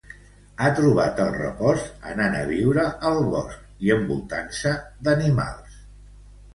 Ha trobat el repòs anant a viure al bosc i envoltant-se d'animals.